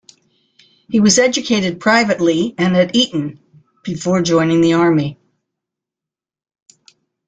He was educated privately and at Eton before joining the army.